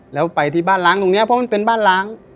แล้วไปที่บ้านล้างตรงนี้เพราะมันเป็นบ้านล้าง